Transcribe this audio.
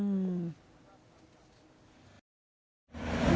อืม